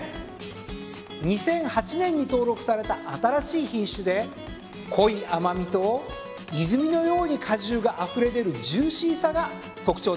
２００８年に登録された新しい品種で濃い甘味と泉のように果汁があふれ出るジューシーさが特徴です。